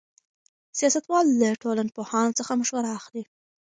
سیاستوال له ټولنپوهانو څخه مشوره اخلي.